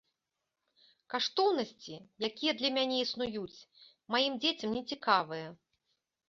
Каштоўнасці, якія для мяне існуюць, маім дзецям нецікавыя.